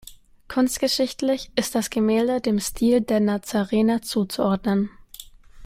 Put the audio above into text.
Kunstgeschichtlich ist das Gemälde dem Stil der Nazarener zuzuordnen.